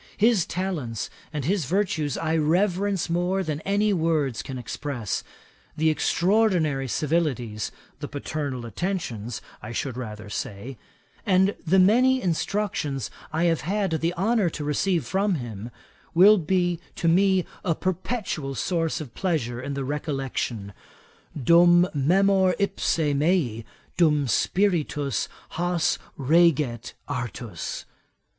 His talents and his virtues I reverence more than any words can express. The extraordinary civilities (the paternal attentions I should rather say,) and the many instructions I have had the honour to receive from him, will to me be a perpetual source of pleasure in the recollection, '"Dum memor ipse mei, dum spiritus has reget artus.